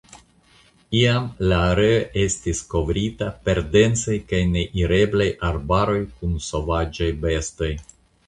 Iam la areo estis kovrita per densaj kaj neireblaj arbaroj kun sovaĝaj bestoj.